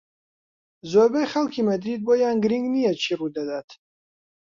زۆربەی خەڵکی مەدرید بۆیان گرنگ نییە چی ڕوودەدات.